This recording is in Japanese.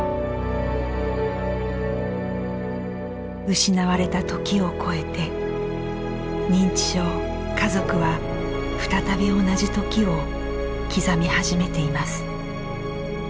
失われた時をこえて認知症家族は再び同じ時を刻み始めています。